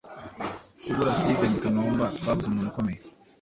kubura steven kanumba twabuze umuntu ukomeye